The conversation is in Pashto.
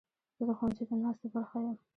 زه د ښوونځي د ناستو برخه یم.